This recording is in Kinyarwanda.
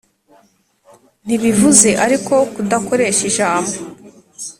ntibivuze ariko kudakoresha ijambo